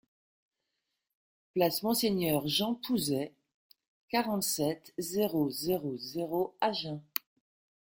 Place Monseigneur Jean Pouzet, quarante-sept, zéro zéro zéro Agen